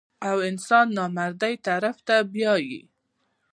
او انسان نامردۍ طرف ته بيائي -